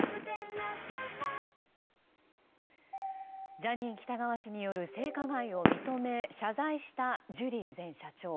ジャニー喜多川氏による性加害を認め謝罪したジュリー前社長。